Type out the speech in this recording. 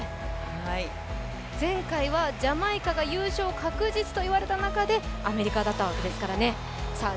前回はジャマイカが優勝確実といわれた中で、アメリカだったわけですからね。